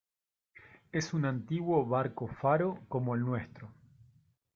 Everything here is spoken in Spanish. es un antiguo barco faro como el nuestro